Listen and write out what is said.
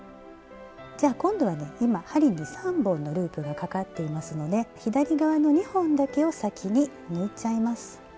じゃ今度はね今針に３本のループがかかっていますので左側の２本だけを先に抜いちゃいます。